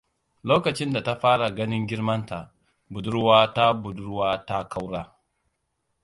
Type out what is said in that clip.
Lokacin da ta fara ganin girmanta, budurwa ta budurwa ta ƙaura.